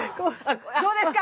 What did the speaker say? どうですか！